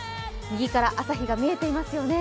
右から朝日が見えていますよね。